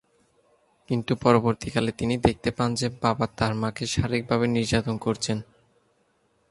কিন্তু পরবর্তীকালে তিনি দেখতে পান যে বাবা তার মাকে শারীরিকভাবে নির্যাতন করছেন।